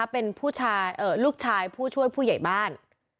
เป็นลูกชายผู้ช่วยผู้ใหญ่บ้าน